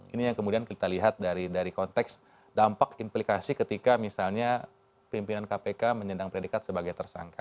ini yang kemudian kita lihat dari konteks dampak implikasi ketika misalnya pimpinan kpk menyendang predikat sebagai tersangka